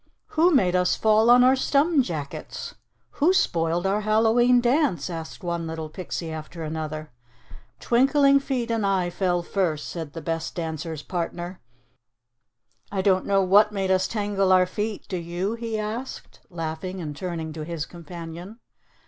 "Who made us fall on our stumjackets?" "Who spoiled our Hallowe'en dance?" asked one little pixie after another. "Twinkling Feet and I fell first," said the best dancer's partner. "I don't know what made us tangle our feet, do you?" he asked, laughing and turning to his companion.